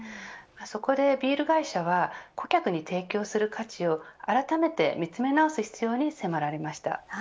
そこでビール会社は顧客に提供する価値をあらためて見つめ直す必要に迫られました。